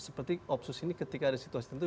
seperti opsus ini ketika ada situasi tentu